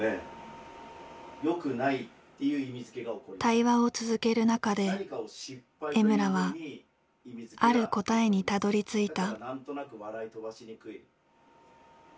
対話を続ける中で江村はある答えにたどりついた。